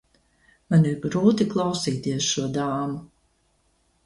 Man ir grūti klausīties šo dāmu.